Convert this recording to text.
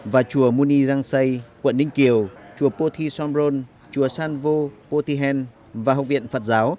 và chùa muni rang say quận ninh kiều chùa poti somron chùa san vo poti hen và học viện phật giáo